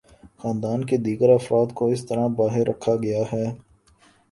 خاندان کے دیگر افراد کو اس طرح باہر رکھا گیا ہے۔